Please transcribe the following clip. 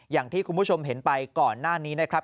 อย่างที่คุณผู้ชมเห็นไปก่อนหน้านี้นะครับ